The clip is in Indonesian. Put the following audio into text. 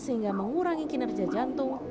sehingga mengurangi kinerja jantung